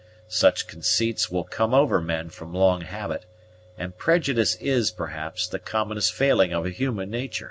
Such conceits will come over men from long habit; and prejudice is, perhaps, the commonest failing of human natur'."